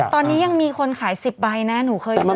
ตอนนี้ยังมีคนขาย๑๐ใบนะหนูเคยมา